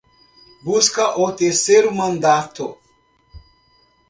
Busca o terceiro mandato